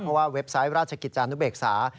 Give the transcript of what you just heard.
เพราะว่าเว็บไซต์ราชกิจจานุเบกษา